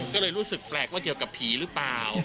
ก็เลยรู้สึกแปลกว่าเกี่ยวกับผีหรือเปล่า